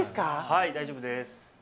はい、大丈夫です。